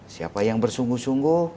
siapa yang bersungguh sungguh